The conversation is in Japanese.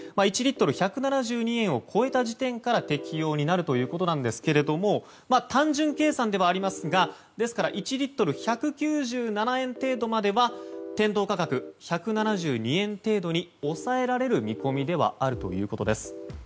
１リットル＝１７２円を超えた時点から適用になるということですけども単純計算ではありますが１リットル＝１９７円程度までは店頭価格１７２円程度に抑えられる見込みではあるということです。